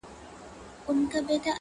• لکه ښه ورځ چي یې هیڅ نه وي لیدلې ,